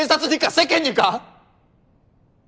世間にか！？